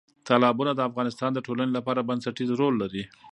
تالابونه د افغانستان د ټولنې لپاره بنسټيز رول لري.